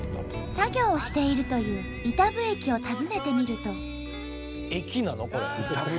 作業をしているという飯給駅を訪ねてみると。